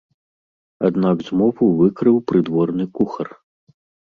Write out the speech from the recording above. Аднак змову выкрыў прыдворны кухар.